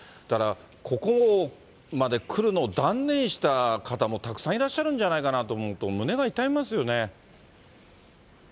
だからここまで来るのを断念した方もたくさんいらっしゃるんじゃないかなと思うと、胸が痛みますよね。